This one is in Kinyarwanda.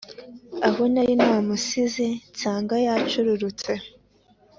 aho nari namusize nsanga yacururutse